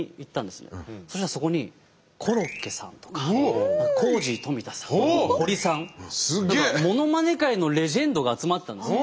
そしたらそこにコロッケさんとかコージー冨田さんホリさんモノマネ界のレジェンドが集まってたんですよ。